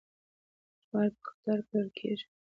جوار په قطار کرل کیږي.